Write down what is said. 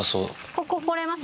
ここ来れます？